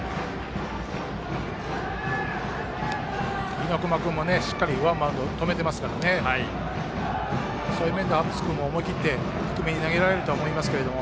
日隈君もしっかりワンバウンド止めてますからそういう面ではハッブス君も思い切って低めに投げられると思いますけれども。